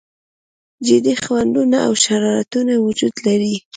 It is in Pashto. جدي خنډونه او شرارتونه وجود لري.